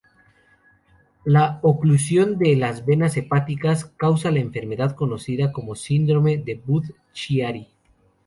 La oclusión de las venas hepáticas causa la enfermedad conocida como síndrome de Budd-Chiari.